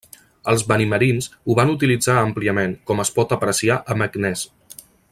Els benimerins ho van utilitzar àmpliament, com es pot apreciar a Meknès.